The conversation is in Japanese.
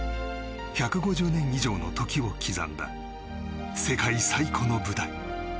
１５０年以上の時を刻んだ世界最古の舞台。